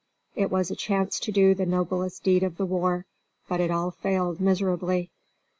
It was a chance to do the noblest deed of the war, but it all failed miserably.